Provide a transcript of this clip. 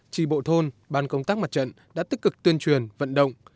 trì bộ thôn ban công tác mặt trận đã tích cực tuyên truyền vận động